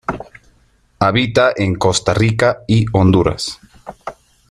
Habita en Costa Rica y Honduras.